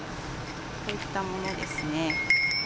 こういったものですね。